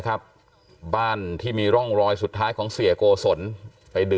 แล้วเอาเรื่องจริงมาพูดกัน